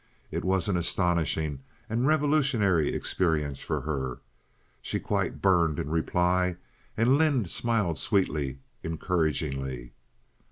It was an astonishing and revolutionary experience for her. She quite burned in reply, and Lynde smiled sweetly, encouragingly.